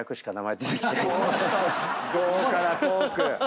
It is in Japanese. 豪華なトーク。